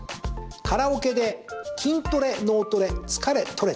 「カラオケで筋トレ脳トレ疲れ取れ」。